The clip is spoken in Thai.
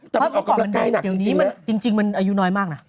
แต่มันออกกำลังกายหนักจริงจริงแล้วจริงจริงมันอายุน้อยมากน่ะ